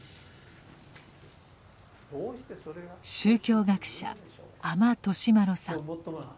宗教学者阿満利麿さん。